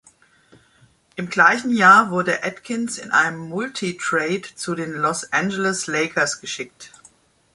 Im gleichen Jahr wurde Atkins in einem Multi-Trade zu den Los Angeles Lakers geschickt.